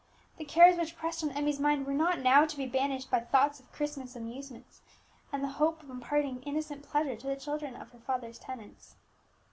The cares which pressed on Emmie's mind were not now to be banished by thoughts of Christmas amusements, and the hope of imparting innocent pleasure to the children of her father's tenants.